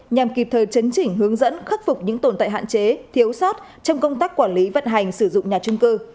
nhằm kịp thời chấn chỉnh hướng dẫn khắc phục những tồn tại hạn chế thiếu sót trong công tác quản lý vận hành sử dụng nhà trung cư